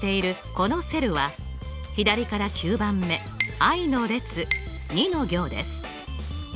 このセルは左から９番目Ｉの列２の行です。